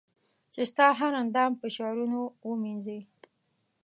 چي ستا هر اندام په شعرونو و مېنځنې